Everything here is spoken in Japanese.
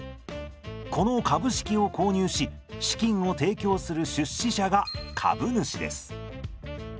この株式を購入し資金を提供する出資者が株主です。